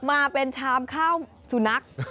มาเป็นชามข้าวสุนัข